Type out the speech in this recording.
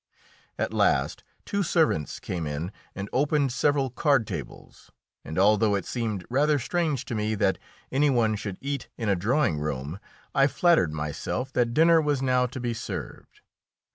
At last two servants came in and opened several card tables, and although it seemed rather strange to me that any one should eat in a drawing room, I flattered myself that dinner was now to be served.